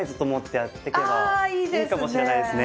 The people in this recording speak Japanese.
いいかもしれないですね。